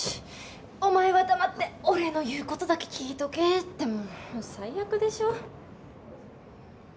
お前は黙って俺の言うことだけ聞いとけってもう最悪でしょ。